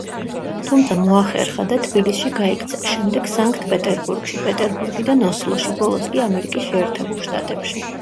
თუმცა მოახერხა და თბილისში გაიქცა, შემდეგ სანქტ-პეტერბურგში, პეტერბურგიდან ოსლოში, ბოლოს კი ამერიკის შეერთებულ შტატებში.